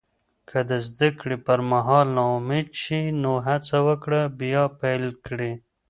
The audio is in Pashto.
که د زده کړې پر مهال ناامید شې، نو هڅه وکړه بیا پیل کړې.